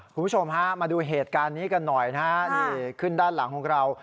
คุณผู้ชมฮะมาดูเหตุการณ์นี้กันหน่อยนะฮะนี่ขึ้นด้านหลังของเรา